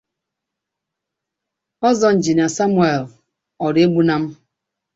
Ozo Engr Samuel Oraegbunam